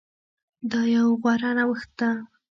دا يو غوره نوښت ده